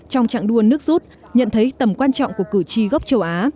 trong trạng đua nước rút nhận thấy tầm quan trọng của cử tri gốc châu á